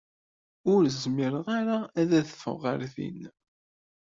Ur zmireɣ ara ad adfeɣ ɣer din.